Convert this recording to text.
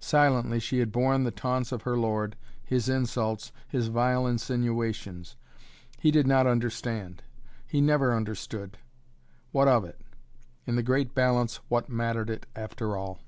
Silently she had borne the taunts of her lord, his insults, his vile insinuations. He did not understand. He never understood. What of it? In the great balance what mattered it after all?